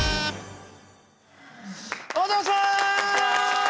お邪魔します！